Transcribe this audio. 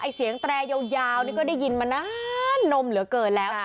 เสียงแตรยาวนี่ก็ได้ยินมานานนมเหลือเกินแล้ว